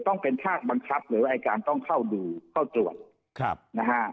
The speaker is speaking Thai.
ต้องเป็นภาคบังคับหรือว่าอายการต้องเข้าดูเข้าตรวจครับนะฮะ